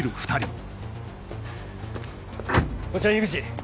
こちら口。